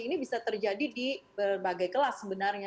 ini bisa terjadi di berbagai kelas sebenarnya